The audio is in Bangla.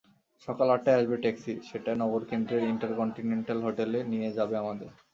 সকাল আটটাতে আসবে ট্যাক্সি, সেটা নগরকেন্দ্রের ইন্টারকন্টিনেন্টাল হোটেলে নিয়ে যাবে আমাদের।